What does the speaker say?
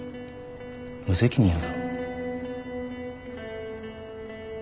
無責任やぞ。